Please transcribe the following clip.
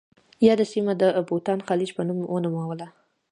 یاده سیمه د بوتا خلیج په نوم ونوموله.